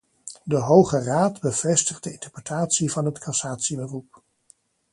De Hoge Raad bevestigt de interpretatie van het cassatieberoep.